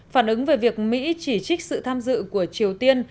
phản ứng về việc mỹ chỉ trích sự tham dự của triều tiên